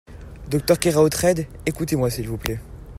Docteur Keraotred, écoutez-moi s'il vous plait.